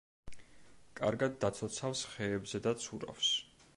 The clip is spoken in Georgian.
კარგად დაცოცავს ხეებზე და ცურავს.